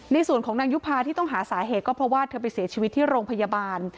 ในส่วนของนางยุภาที่ต้องหาสาเหตุก็เพราะว่าเธอไปเสียชีวิตที่โรงพยาบาล